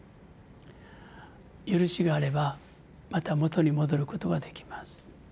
ゆるしがあればまた元に戻ることができます。